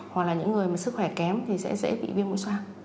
hoặc là những người sức khỏe kém thì sẽ dễ bị viêm mũi xoang